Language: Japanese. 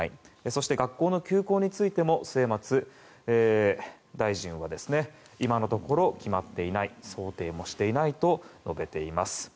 そして学校の休校についても末松大臣は今のところ決まっていない想定もしていないと述べています。